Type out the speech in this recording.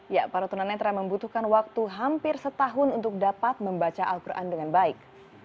ya para tunanetra membutuhkan waktu hampir setahun untuk dapat membaca al quran dengan baik